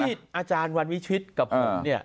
สิ่งที่อาจารย์วันวิชิสกับผุนเนี่ย